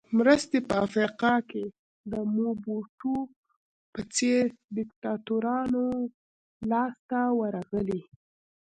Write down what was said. مرستې په افریقا کې د موبوټو په څېر دیکتاتورانو لاس ته ورغلې.